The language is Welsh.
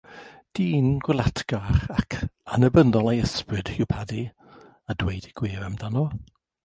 Dyn gwlatgar ac annibynnol ei ysbryd yw Paddy, a dweud y gwir amdano.